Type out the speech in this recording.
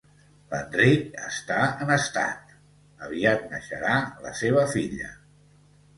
L'Enric està en estat, aviat neixerà la seva filla